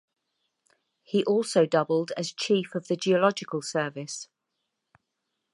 He also doubled as Chief of the Geological Service.